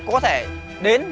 có thể đến